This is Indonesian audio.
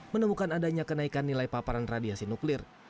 menemukan adanya kenaikan nilai paparan radiasi nuklir